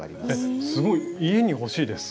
すごい家に欲しいです。